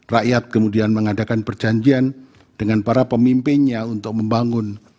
rakyat kemudian mengadakan perjanjian dengan para pemimpinnya untuk membangun